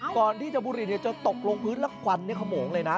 ก่อนที่จะบุหรี่จะตกลงพื้นแล้วควันขโมงเลยนะ